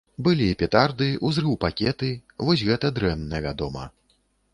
Былі петарды, ўзрыўпакеты, вось гэта дрэнна, вядома.